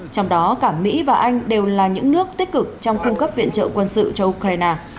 trong đó cả mỹ và anh đều là những nước tích cực trong cung cấp viện trợ quân sự cho ukraine